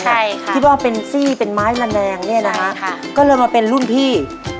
ใช่ค่ะที่บ้างเป็นสี่เป็นไม้ระแนงเนี้ยนะคะใช่ค่ะก็เริ่มมาเป็นรุ่นพี่